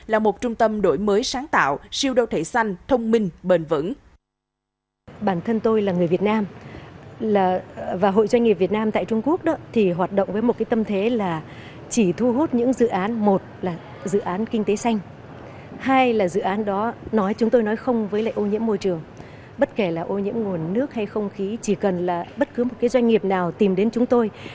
là một trung tâm đổi mới sáng tạo siêu đô thể xanh thông minh bền vững